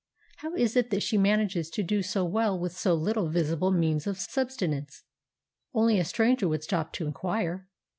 How it is that she manages to do so well with so little visible means of subsistence, only a stranger would stop to inquire.